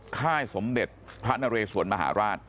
ค่ายสมเด็จพระนเรสวนมหาราช